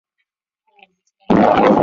虽然我们吃很慢